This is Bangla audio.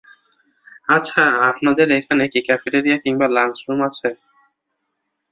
আচ্ছা, আপনাদের এখানে কি ক্যাফেটেরিয়া কিংবা লাঞ্চরুম আছে?